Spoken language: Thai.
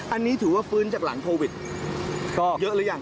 อันนี้ถือว่าฟื้นจากหลังโควิดก็เยอะหรือยัง